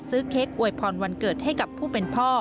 เค้กอวยพรวันเกิดให้กับผู้เป็นพ่อ